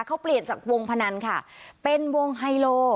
เขาเปลี่ยนจากวงพนันค่ะเป็นวงไฮโล